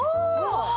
うわ！